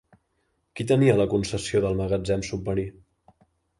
Qui tenia la concessió del magatzem submarí?